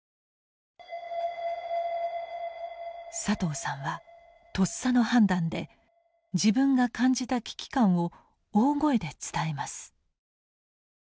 佐藤さんはとっさの判断で自分が感じた危機感を大声で伝えます。